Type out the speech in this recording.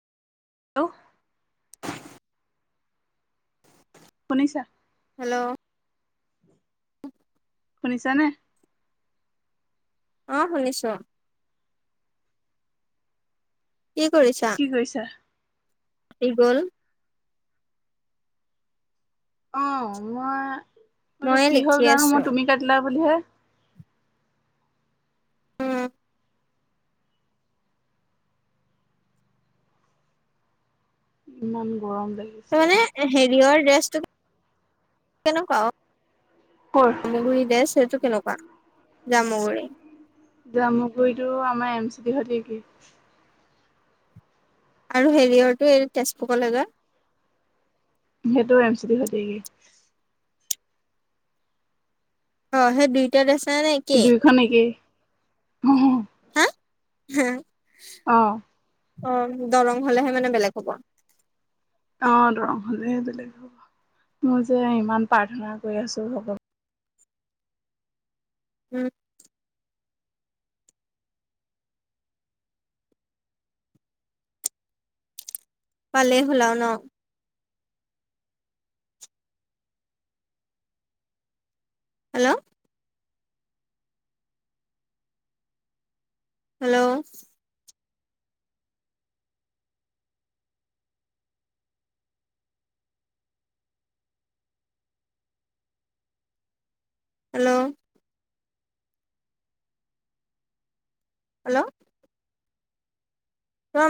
[unintelligible] শুনিছা হেল্ল'। শুনিছানে? অ', শুনিছো। কি কৰিছা? কি কৰিছা? কি গল অ', মই এইটো ময়ে কি হ'ল লিখি জানো আছো মই তুমি কাটিলা বুলিহে। [inaudible] ইমান গৰম [unintelligible] এ', মানে হেৰিয়ৰ ড্ৰেছটো [inaudible] কেনেকুৱা অ'। ক'ৰ জামুগুৰি দেছ [unintelligible] সেইটো কেনেকুৱা, জামুগুৰি। জামুগুৰিটো আমাৰ এম চি ডি সৈতে একেই। আৰু হেৰিয়ৰটো এই তেজপুৰ কলেগা [unintelligible] সেইটো এম চিটিৰ সৈতে কি অ', সেই দুইটা দেচা [unintelligible] নাই দুইখন একেই হা, হা অ'। অ', দলং হ'লেহে মানে বেলেগ হ'ব। অ', দলং হ'লেহে বেলেগ হ'ব। মই যে ইমান প্ৰাৰ্থনা কৰি আছো ভগৱা উম [inaudible] পালেই হ'ল আৰু ন'?। হেল্ল'? হেল্ল'? হেল্ল'? হেল্ল'? তোমাৰ